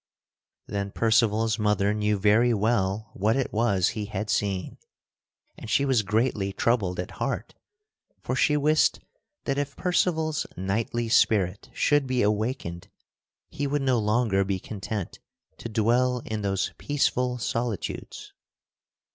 Then Percival's mother knew very well what it was he had seen, and she was greatly troubled at heart, for she wist that if Percival's knightly spirit should be awakened he would no longer be content to dwell in those peaceful solitudes.